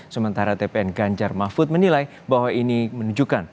sementara tpn ganjar mahfud menilai bahwa ini menunjukkan